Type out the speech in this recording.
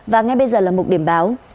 và ngay bây giờ là một điểm báo